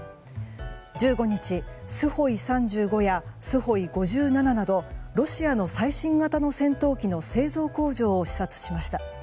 １５日、スホイ３５やスホイ５７などロシアの最新型の戦闘機の製造工場を視察しました。